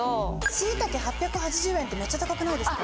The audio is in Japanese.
しいたけ８８０円ってめちゃ高くないですか？